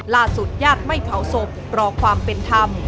ล่าสุดยาติไม่เผาศพรอความเป็นธรรม